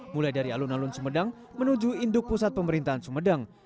mulai dari alun alun sumedang menuju induk pusat pemerintahan sumedang